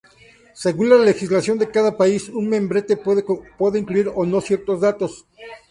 Según la legislación de cada país, un membrete puede incluir o no ciertos datos.